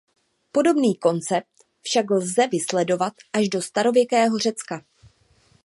Podobný koncept však lze vysledovat až do starověkého Řecka.